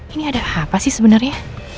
ini ada apa sih sebenarnya